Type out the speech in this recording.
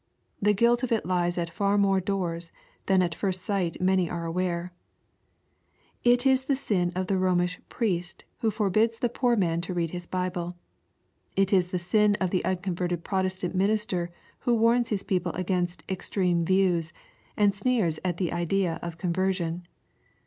The guilt of it lies at far more doors than at first sight many are aware. It is the sin of the Komish priest who for bids the poor man to read his Bible. — It is the sin of the unconverted Protestant minister who warns his people against " extreme views," and sneers at the idea of con version.